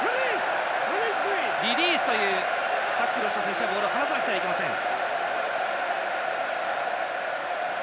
リリースというタックルをした選手はボールを離さないといけません。